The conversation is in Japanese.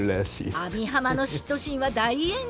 網浜の嫉妬心は大炎上。